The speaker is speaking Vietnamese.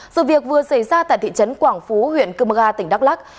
sự việc vừa xảy ra tại thị trấn quảng phú huyện cơm ga tỉnh đắk lắc